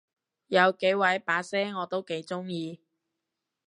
有幾位把聲我都幾中意